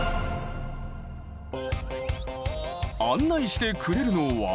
案内してくれるのは。